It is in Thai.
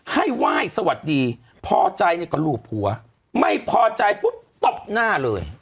ให้ไหว้สวัสดีพอใจเนี่ยก็ลูบหัวไม่พอใจปุ๊บตบหน้าเลย